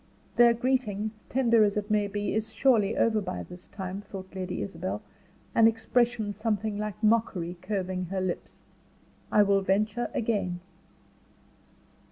"Their greeting, tender as it may be, is surely over by this time," thought Lady Isabel, an expression something like mockery curving her lips. "I will venture again."